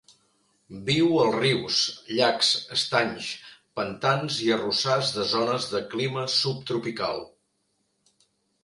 Viu als rius, llacs, estanys, pantans i arrossars de zones de clima subtropical.